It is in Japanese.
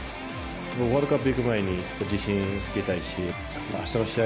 ワールドカップ行く前に自信つけたいし、あしたの試合、